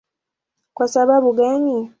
Kwa sababu gani?